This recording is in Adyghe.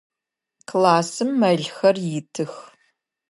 Классым мэлхэр итых.